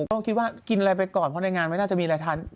ก็คิดว่ากินอะไรไปก่อนคือข้างในงานไม่งั้นมีอะไรทาน